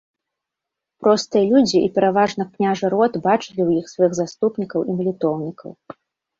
Простыя людзі і пераважна княжы род бачылі ў іх сваіх заступнікаў і малітоўнікаў.